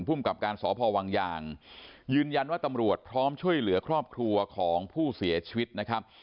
กับการสพวังยางยืนยันว่าตำรวจพร้อมช่วยเหลือครอบครัวของผู้เสียชีวิตนะครับ